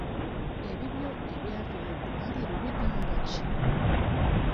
Ebibyo ebyava mu ddwaliro bigamba ki?